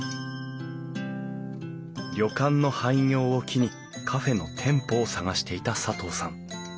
旅館の廃業を機にカフェの店舗を探していた佐藤さん。